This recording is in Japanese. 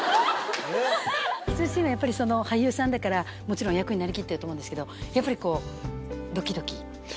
キスシーンはやっぱり俳優さんだから、もちろん役になりきっていると思うんですけど、やっぱりこう、どきどき？